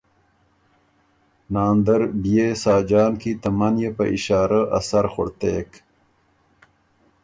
ناندر بيې ساجان کی ته منيې په اِشارۀ ا سر خُړتېک